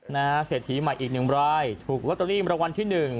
เศรษฐีใหม่อีกหนึ่งรายถูกลอตเตอรี่มรางวัลที่หนึ่ง